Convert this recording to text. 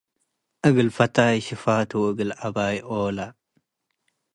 እግል ፈታይ ሽፋቱ ወእግል አባይ ኦለ